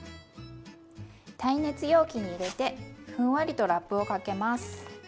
耐熱容器に入れてふんわりとラップをかけます。